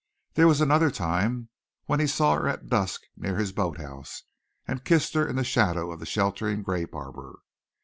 There was another time when he saw her at dusk near his boathouse, and kissed her in the shadow of the sheltering grape arbor.